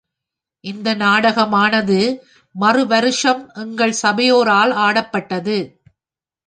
இந்நாடகமானது மறு வருஷம் எங்கள் சபையோரால் ஆடப்பட்டது.